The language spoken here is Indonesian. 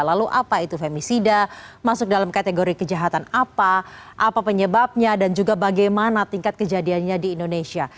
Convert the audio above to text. lalu apa itu femisida masuk dalam kategori kejahatan apa apa penyebabnya dan juga bagaimana tingkat kejadiannya di indonesia